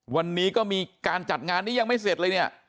วันนี้ก็มีการจัดงานนี้ยังไม่เสร็จเลยเนี่ย